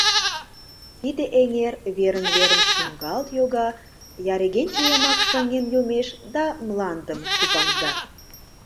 Тиде эҥер верын-верын шуҥгалт йога, я регенче йымак шыҥен йомеш да мландым купаҥда.